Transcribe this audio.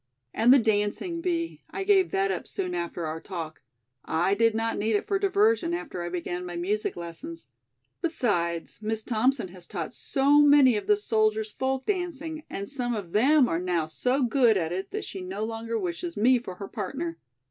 "And the dancing, Bee, I gave that up soon after our talk. I did not need it for diversion after I began my music lessons. Besides, Miss Thompson has taught so many of the soldiers folk dancing and some of them are now so good at it that she no longer wishes me for her partner."